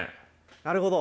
なるほど。